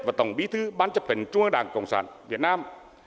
và tổng bí thư bán chấp hình trung ương đảng cộng sản việt nam